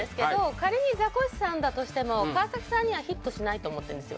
仮にザコシさんだとしても川崎さんにはヒットしないと思ってんですよ